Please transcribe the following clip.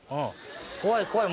怖い怖い！